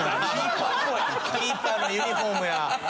キーパーのユニホームや。